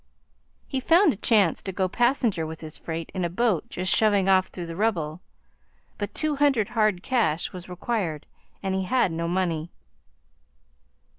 He found a chance to go passenger with his freight in a boat just shoving off through the rubble, but two hundred hard cash, was required, and he had no money.